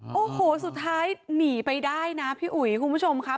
โอ้โหสุดท้ายหนีไปได้นะพี่อุ๋ยคุณผู้ชมครับ